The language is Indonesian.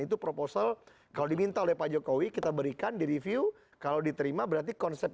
itu proposal kalau diminta oleh pak jokowi kita berikan di review kalau diterima berarti konsep